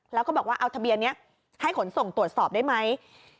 แล้วก็บอกว่าเอาทะเบียนนี้ให้ขนส่งตรวจสอบได้ไหม